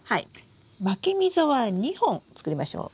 まき溝は２本作りましょう。